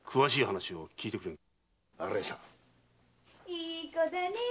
・いい子だね！